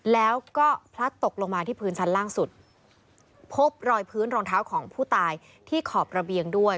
แล้วก็พลัดตกลงมาที่พื้นชั้นล่างสุดพบรอยพื้นรองเท้าของผู้ตายที่ขอบระเบียงด้วย